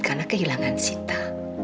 karena kehilangan sita